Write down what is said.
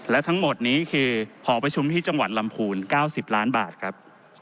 และทั้งหมดนี้คือหอประชุมที่จังหวัดลำพูน๙๐ล้านบาทครับ